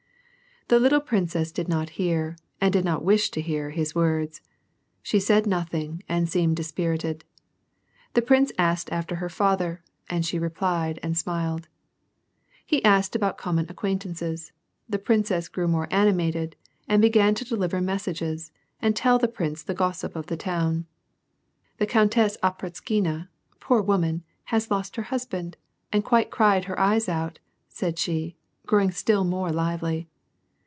The little princess did not hear, and did not wish to hear his words. She said nothing, and seemed dispirited. The prince asked after her father, and she replied and smiled. He asked about common acquaintances : the princess grew more animated, and began to deliver messages, and tell the prince the gossip of the town. " The Countess Apraksina, poor woman, has lost her husband, and quite cried Tier eyes out," * said she, growing still more lively.